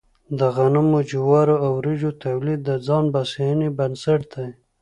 د غنمو، جوارو او وريجو تولید د ځان بسیاینې بنسټ دی.